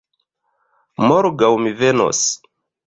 Morgaŭ mi venos.